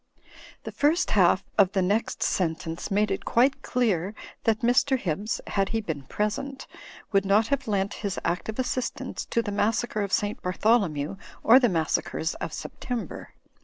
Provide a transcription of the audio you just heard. The first half of the next sentence made it quite clear that Mr. Hibbs (had he been present) would not have lent his active assistance to the Massacre of St. Bartholomew or the Massacres of September.